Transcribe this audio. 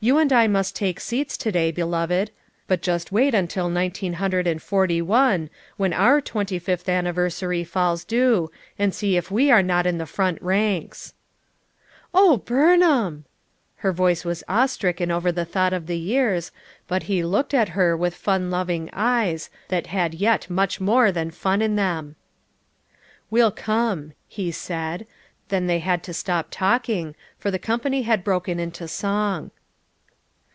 You and I must take seats to day, beloved, but just wait until nineteen hundred and forty one when our twenty fifth anniversary falls due and see if we are not in the front ranks 1" "Oh, Burnham!" her voice was awe stricken over the thought of the years, hut he looked at her with fun loving eyes, — that had yet much more than fun in them. "We'll come," he said. Then they had to stop talking, for the company had broken into song.